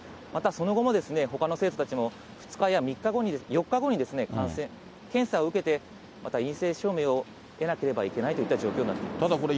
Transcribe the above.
またその後も、ほかの生徒たちも、２日や４日後に検査を受けて、また陰性証明を受けなければいけないという状況になっています。